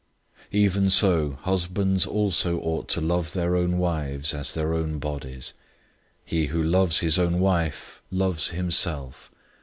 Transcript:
005:028 Even so husbands also ought to love their own wives as their own bodies. He who loves his own wife loves himself.